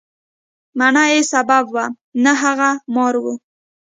مڼه یې سبب وه، نه هغه مار و.